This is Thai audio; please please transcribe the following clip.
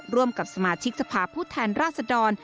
ร่วมกับสมาชิกสภาพผู้แทนราชดร